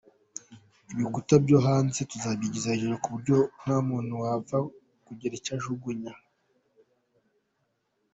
Ibikuta byo hanze tuzabyigiza hejuru ku buryo nta muntu wapfa kugira icyo ajugunyamo.